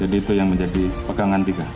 jadi itu yang menjadi pegangan tiga